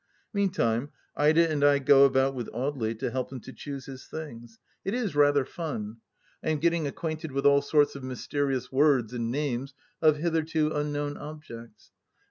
Meantime Ida and I go about with Audely to help him to choose his things. It is rather fun. I am getting acquainted THE LAST DITCH 161 with all sorts of mysterious words and names of hitherto unknown objects.